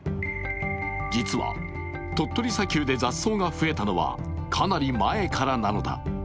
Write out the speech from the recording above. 実は鳥取砂丘で雑草が増えたのはかなり前からなのだ。